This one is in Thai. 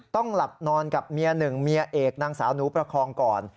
ต้องหลับนอนกับเมียหนึ่งเมียเอกนางสาวหนูประคองก่อน